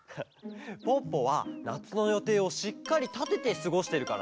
ポッポはなつのよていをしっかりたててすごしてるからね。